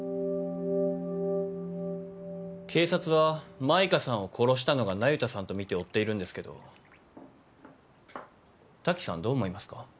警察は舞歌さんを殺したのが那由他さんとみて追っているんですけどタキさんどう思いますか？